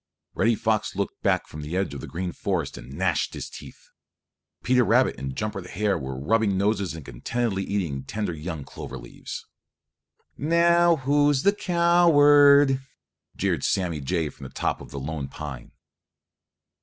Reddy Fox looked back from the edge of the Green Forest and gnashed his teeth. Peter Rabbit and Jumper the Hare were rubbing noses and contentedly eating tender young clover leaves. "Now who's the coward?" jeered Sammy Jay from the top of the Lone Pine.